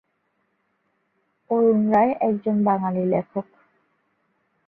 অরুণ রায় একজন বাঙালি লেখক।